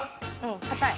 硬い。